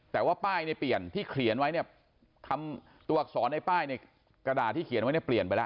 แต่ว่าป้ายในเปลี่ยนที่เคลียนไว้เนี่ยคำ